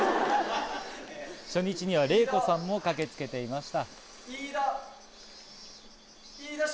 初日にはＲＥＩＫＯさんも駆けつけていました。